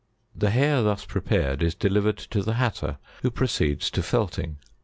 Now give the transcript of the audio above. The hair thus prepared is de livered to the hatter who proceeds to felting.